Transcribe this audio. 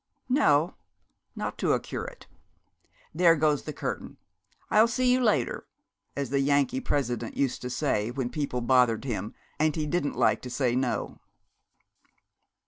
'No, not to a curate. There goes the curtain. "I'll see you later," as the Yankee President used to say when people bothered him, and he didn't like to say no.'